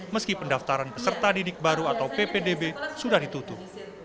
meski pendaftaran peserta didik baru atau ppdb sudah ditutup